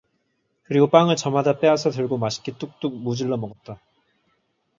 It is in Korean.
그리고 빵을 저마다 빼앗아 들고 맛있게 뚝뚝 무 질러 먹었다.